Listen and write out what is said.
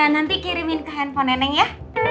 nanti kirimin ke handphone neneng ya